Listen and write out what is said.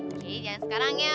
oke jangan sekarang ya